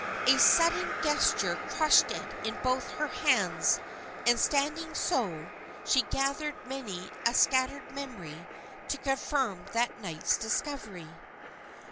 A sudden gesture crushed it in both her hands, and standing so, she gathered many a scattered memory to confirm that night's discovery.